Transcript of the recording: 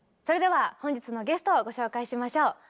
それでは本日のゲストをご紹介しましょう。